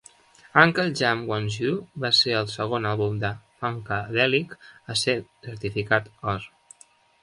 Uncle Jam Wants You va ser el segon àlbum de Funkadelic a ser certificat or.